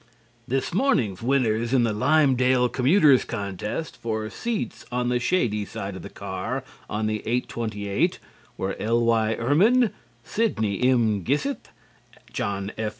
This morning's winners in the Lymedale commuters' contest for seats on the shady side of the car on the 8:28 were L.Y. Irman, Sydney M. Gissith, John F.